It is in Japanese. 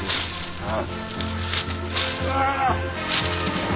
ああ！